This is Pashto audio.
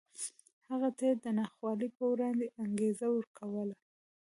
هغه ته یې د ناخوالو په وړاندې انګېزه ورکوله